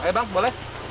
eh bang boleh